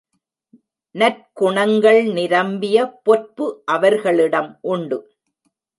நற்குணங்கள் நிரம்பிய பொற்பு அவர்களிடம் உண்டு.